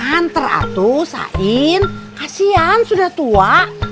nganter atu sain kasian sudah tua